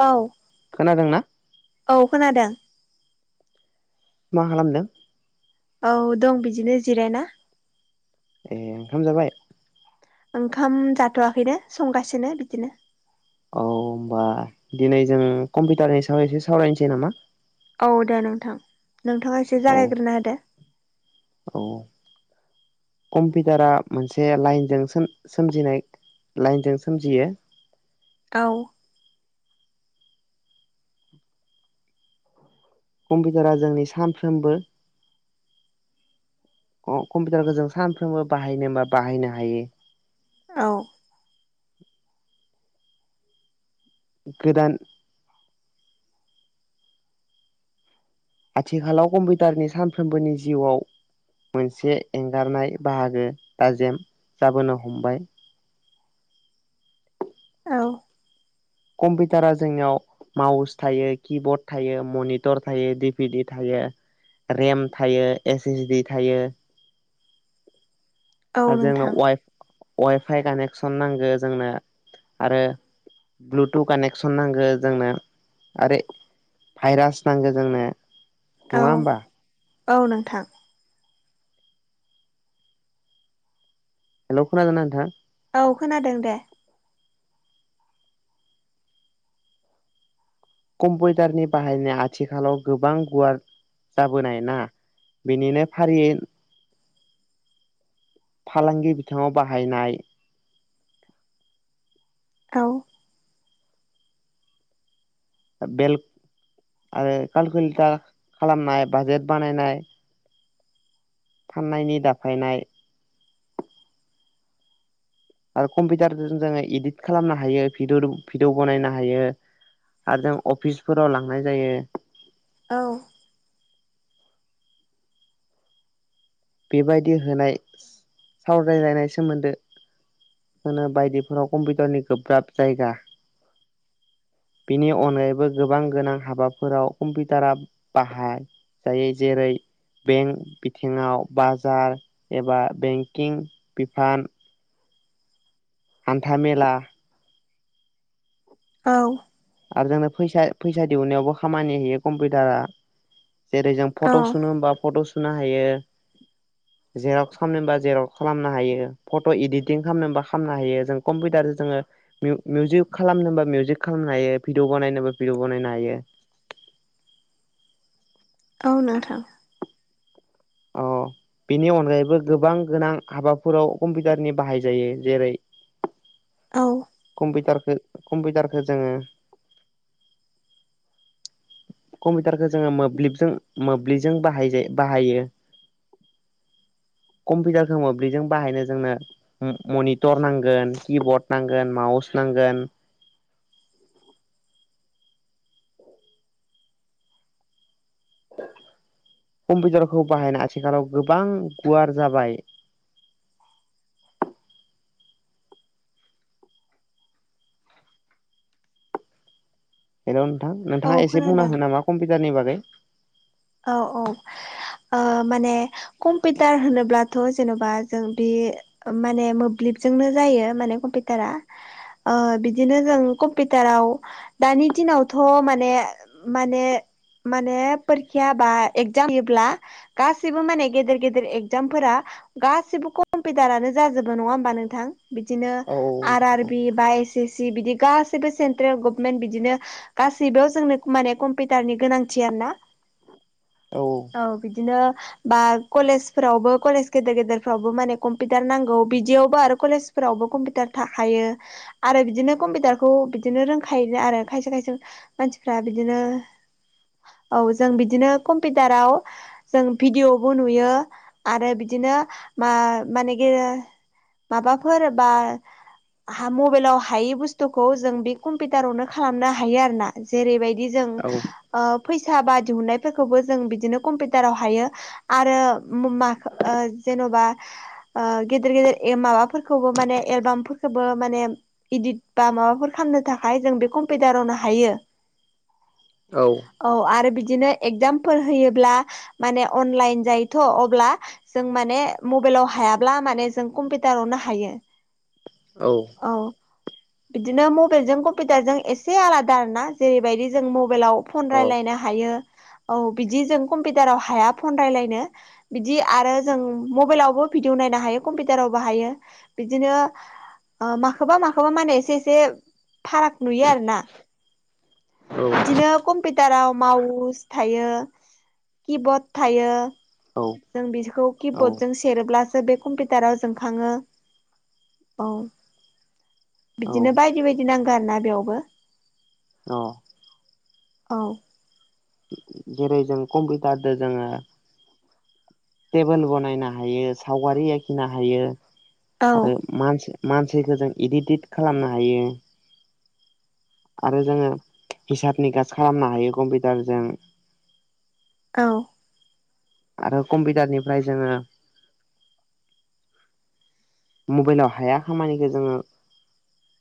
औ खोनादों ना औ खोनादों मा खालामदों औ दं बिदिनो जिरायना एह ओंखाम जाबाय ओंखाम जाथ'आखैनो संगासिनो बिदिनो औ होमबा दिनै जों कम्पिउटारनि सायाव एसे सावरायनोसै नामा औ दे नोंथां नोंथांआ एसे औ जागायग्रोना होदो औ कम्पिउटारा मोनसे लाइनजों सोम सोमजिनाय लाइनजों सोमजियो औ कम्पिटारा जोंनि सानफ्रोमबो ओ कम्पिटारखो जों सानफ्रोमबो बाहायनो होनबा बाहायनो हायो औ गोदान आथिखालाव कम्पिटारनि सानफ्रोमबोनि जिउआव मोनसे एंगारनाय बाहागो दाजेम जाबोनो हमबाय औ कम्पिटारा जोंनिआव माउस थायो किबर्ड थायो मनिथर थायो डिपिडि थायो रेम थायो एस एसडि थायो औ आरो जोंनो नोंथां वाइ फाइ कानेकसन नांगौ जोंनो आरो ब्लुटु कानेक्सन नांगो जोंनो आरो भाइरास नांगो जोंनो नङा औ होमबा औ नोंथां। हेलौ खोनाना नोंथां? औ खोनादों दे। कम्पिटारनि बाहायनाया आथिखालाव गोबां गुवार जाबोनाय ना बिनिनो फारियै फालांगि बिथाङाव बाहायनाय औ बेलक आरो कालकुलेटार खालामनाय बाजेट बानायनाय फाननायनि दाफायनाय आरो कम्पिटारजों जोङो इदिट खालामनो हायो भिददो भिडिअ बनायनो हायो आरो जों अफिसफोराव लांनाय जायो औ बेबायदि होनाय सावरायलायनाय सोमोन्दो होनो बायदिफोराव कम्पिटारनि गोब्राब जायगा बेनि अनगायैबो गोबां गोनां हाबाफोराव कम्पिउटारा बाहाय जायो जेरै बेंक बिथिङाव बाजार एबा बेंकिं बिफान हान्था मेला औ। आरो जोंनो फैसा फैसा दिहुननायावबो खामानि होयो कम्पिटारा। जेरै जों औ फटक सुनो होमबा फट' सुनो हायो जेरक्स खामनो ओमबा जेरक्स खालामनो हायो फट इडिटिं खामनो होमबा खामनो हायो जों कम्पिटारजो जोङो मिउ-मिउजिक खालामनो होमबा मिउजिक खालामनो हायो भिडिअ बानायनोबा भिडिअ बानायनो हायो औ नोंथां। अ बेनि अनगायैबो गोबां गोनां हाबाफोराव कम्पिटारनि बाहाय जायो जेरै [inaudible] औ। कमपिटारखो कम्पिटारखो जोङो कम्पिटारखो जोङो मोब्लिबजों मोब्लिजों बाहायजे बाहायो कम्पिटारखो मोब्लिजों बाहायनो जोंनो उम मनिटर नांगोन, किबर्ड नांगोन, माउस नांगोन कम्पिटारखौ बाहायना आथिखालाव गोबां गुवार जाबाय हेलौ नोंथां औ नोंथाङा एसे बुंनो खोनादों हागोन नामा कम्पिटारनि बागै औ औ ओ माने कम्पिटार होनोब्लाथ जेनबा जों बे ओमाने मोब्लिबजोंनो जायो माने कम्पिटारा ओ बिदिनो जों कम्पिटाराव दानि दिनावथ' माने माने माने फोर क्या बा एगजाम होयोब्ला गाससिबो माने गेदेर गेदेर एगजामफोरा गासिबो कम्पिउटारानो जाजोबो नङा होमबा नोंथां बिदिनो औ आर आर नोंथां बि बा एस एस सि बिदि गासैबो सेन्ट्रेल गभमेन्ट बिदिनो गासैबोयाव जोंनो माने कम्पिउटारनि गोनांथि आरोना औ औ औ बिदिनो बा कलेजफोरावबो कलेज गेदेर गेदेरफ्रावबो माने कम्पिउटार नांगौ बिदियावबो आरो कलेज फोरावबो कम्पिउटार थाखायो आरो बिदिनो कम्पिउटारखौ बिदिनो रोंखायो आरो खायसे खायसे मानसिफ्रा बिदिनो औ जों बिदिनो कम्पिउटाराव जों भिडिअबो नुयो आरो बिदिनो मा माने गेे माबाफोर बा हा मबाइलाव हायि बुस्तुखौ जों बे कम्पिउटारावनो खालामनो हायो आरोना। जेरैबायदि जों ओ फैसा बा दिहुननायफोरखौबो जों बिदिनो कम्पिउटाराव हायो। आरो मु माख ओ जेन'बा ओ गेदेर गेदेर ए माबाफोरखौबो माने एलबामफोरखोबो माने इदित बा माबाफोर खामनो थाखाय जों बे कम्पिउटारावनो हायो। औ औ आरो बिदिनो एगजामफोर होयोब्ला माने अनलाइन जायोथ' अब्ला जों माने मबेलाव हायाब्ला माने जों कम्पिउटारावनो हायो औ बिदिनो मबेलजों कम्पिउटारजों एसे आलादा आरोना जेरैबायदि जों मबेलाव फन औ रायलायनो हायो औ बिदि जों कम्पिटाराव हाया फन रायलायनो बिदि आरो जों मबाइलावबो भिडिअ नायनो हायो कम्पिउटारावबो हायो बिदिनो ओ माखोबा - माखोबा माने एसे - एसे फाराग नुयो आरोना। बिदिनो कम्पिटाराव माउस थायो किबर्ड थायो। जों बिजखौ औ किबर्डजों सेरोब्लासो बे कम्पिउटारा जोंखाङो औ बिदिनो औ बायदि बायदि नांगो आरो ना बेयावबो अ औ जेरै जों कम्पिटारदो जोङो टेबोल बनायनो हायो सावगारि आखिनो हायो औ आरो मानसि - मानसिखो जों इदिटिट खालामनो हायो आरो जोङो हिसाब निगास खालामनो हायो कम्पिटारजों औ आरो कम्पिटार निफ्राय जोङो मबाइलाव हाया खामानिखो जोङो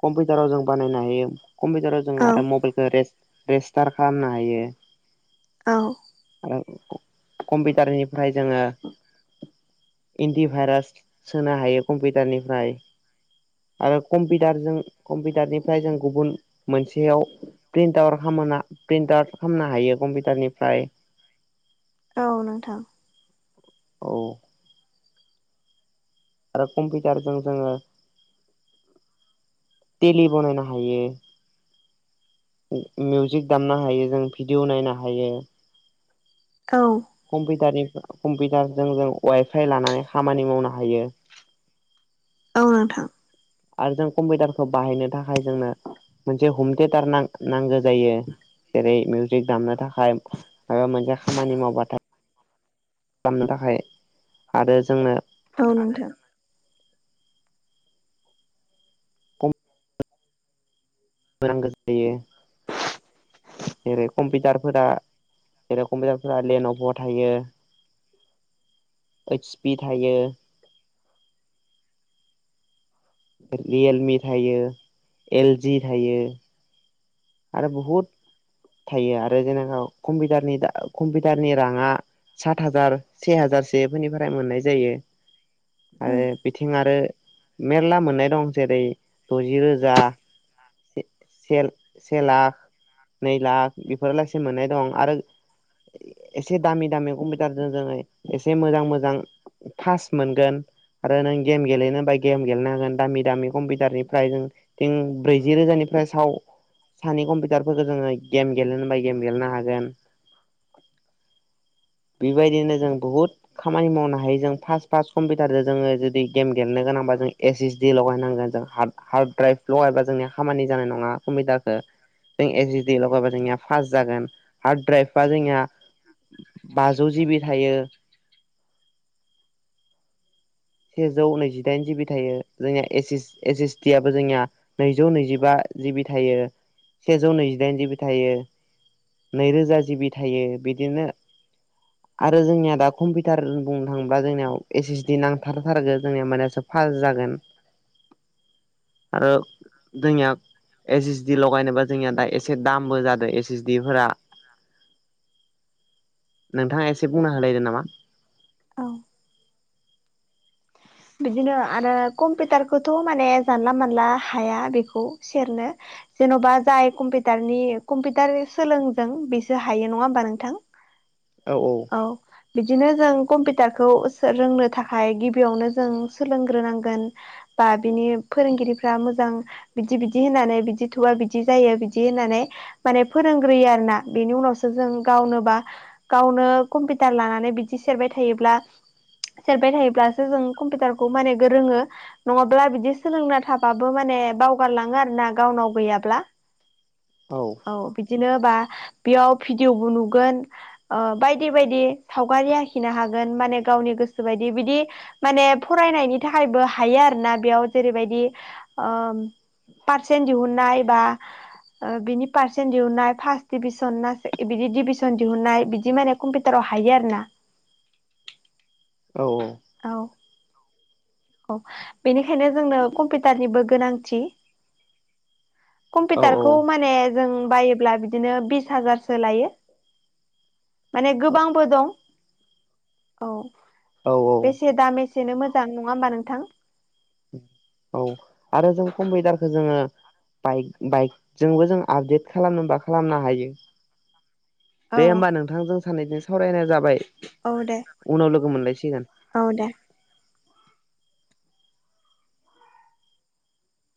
कम्पिउटाराव जों बानायनो हायो। कम्पिउटाराव जों आरो औ मबाइलखो रेज - रेस्टार खालामनो हायो औ [unintelligible] कम्पिटारनिफ्राय जोङो एन्टिभाइरास सोनो हायो कम्पिटारनिफ्राय आरो कम्पिटारजों कम्पिटारनिफ्राय जों गुबुन मोनसेयाव प्रिन्टावार खामाना प्रिन्ट आउट खामनो हायो कम्पिटारनिफ्राय औ नोंथां औ आरो कम्पिटारजों जोङो तेलि बनायनो हायो मिउजिक दामनो हायो जों भिडिअ नायनो हायो औ कमपिटारनि कम्पिटारजों जों वाइफाइ लानानै खामानि मावनो हायो। औ नोंथां आरो जों कम्पिटारखौ बाहायनो थाखाय जोंनो मोनसे हम तेटार ना - नांगो जायो जेरै मिउजिक दामनो थाखाय मायबा मोनसे खामानि मावबाथा आमनो थाखाय आरो जोंनो औ नोंथां खम [unintelligible] जायो [unintelligible] जेरै कम्पिटारफोरा जेरै कम्पिटारफोरा लेनभ' थायो ओइस पि थायो रियेलमि थायो एल जि थायो। आरो बहुद थायो आरो जेनेबा कम्पिउटारनि कम्पिउटारनि राङा सात हाजार से हाजारसोफोरनिफ्राय मोननाय जायो। औ आरो बिथिं आरो मेरला मोननाय दं जेरै दजि रोजा सेर से लाख नै लाख बेफोर लासेै मोननाय दं आरो एसे दामि दामि कम्पिउटारजों जोङो एसे मोजां मोजां फास मोनगोन आरो नों गेम गेलेनो होना गेम गेलेनो हांगोन दामि दामि कम्पिउटारनिफ्राय जों थों ब्रैजि रोजानिफ्राय साव सानै कम्पिउटारफोरखौ जोङो गेम गेलेनो होनबा गेम गेलेनो हागोन। बेबायदिनो जों बहुद खामानि मावनो हायो जों फार्स्ट फार्स्ट कम्पिउटारजों जोङो जुदि गेम गेलनो गोनांबा जों एस एसडि लगायनांगौ हार्ड ड्राइभ्ल' एबा जोंनिया खामानि जानाय नङा कम्पिउटारखौ जों एसडि लगायबा जोंनिया फास्ट जागोन हार्ड द्राइभा जोंनिहा बाजौ जिबि थायो। सेजौ नैजिदाइन जिबि थायो जोंनिया S S S S T आबो जोंनिया नैजौ नैजिबा जिबि थायो। सेजौ नैजिदाइन जिबि थायो नैरोजा जिबि थायो बिदिनो आरो जोंनिया दा कम्पिउटार बुंनो थाङोब्ला जोंनियाव एस एसडि नां थाथारथारगो जोंनिया मानो फास्ट जागोन। आरो जोंनिया एस एस डि लगायनोबा जोंनिया दा एसे दामबो जादों एस एसडि फोरा नोंथाङा एसे बुंनो हालायदों नामा‌। औ। बिदिनो आरो कम्पिउटारखौथ' माने जानला मोनानला हाया बेखौ सेरनो। जेन'बा जाय कम्पिउटारनि कम्पिउटार सोलोंदों बेसो हायो नङा होमबा नोंथां? औ औ। औ बिदिनो जों कम्पिउटारखौ रोंनो थाखाय गिबियावनो जों सोलोंग्रोनांगोन बा बिनि फोरोंगिरिफ्रा मोजां बिदि बिदि होनानै बिदि थुबा बिदि जायो बिदि होननानै माने फोरोंग्रोयो आरोना बेनि उनावसो जों गावनोबा गावनो कम्पिउटार लानानै बिदि सेरबाय थायोब्ला सेरबाय थायोब्लासो जों कम्पिउटारखौ माने रोंङो नङाब्ला बिदि सोलोंना थाबाबो माने बावगारलाङो आरो ना गावनाव गैयाब्ला। औ बिदिनो बा बेयाव भिडिअ'बो नुगोन। ओ बायदि बायदि सावगारि आखिनो हागोन माने गावनि गोसो बायदि बिदि माने फरायनायनि थाखायबो हायो आरो ना बेयाव जेरैबायदि ओ पारसेन्ट दिहुननाय बा बिनि पार्सेन्ट दिहुनाय फार्स्ट दिभिसन ना बिदि डिभिसन दिहुननाय बिदि माने कम्पिउटाराव हायो आरो ना। औ औ। औ। औ बेनिखायनो जोंनो कम्पिउटारनिबो गोनांथि। औ औ कम्पिउटारखौ माने जों बायोब्ला बिदिनो बिस हाजारसो लायो। माने औ गोबांबो दं औ। औ बेसे दाम बेसेनो मोजां नङा होमबा नोंथां? औ आरो जों कम्पिउटारखौ जोङो बाइक बाइकजोंबो जों आपडेट खालामनोबा खालामनो हायो। औ दे होमबा नोंथां जों सानैनजों सावरायनाय जाबाय। औ दे उनाव लोगो मोनलायसिगोन औ दे।